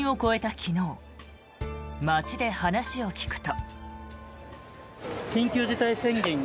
昨日街で話を聞くと。